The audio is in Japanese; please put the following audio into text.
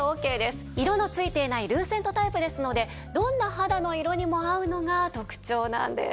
色のついていないルーセントタイプですのでどんな肌の色にも合うのが特長なんです。